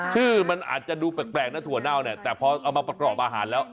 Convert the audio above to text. ชื่อมันอาจจะดูแปลกนะถั่วเน่าเนี่ยแต่พอเอามาประกอบอาหารแล้ว